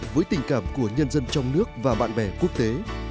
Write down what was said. với tình cảm của nhân dân trong nước và bạn bè quốc tế